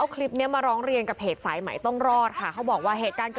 อ่ามาดีมันสดตัวกัน